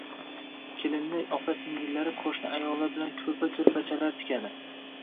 kelinni opa-singillari qo’shni ayollar bilan ko’rpa-ko’rpachalar tikadi